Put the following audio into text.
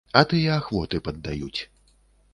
А тыя ахвоты паддаюць.